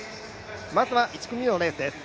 まずは１組目のレースです。